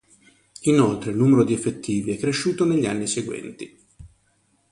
Inoltre il numero di effettivi è cresciuto negli anni seguenti.